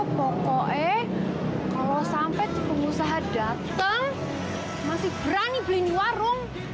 pokoknya kalo sampe tuh pengusaha dateng masih berani beli warung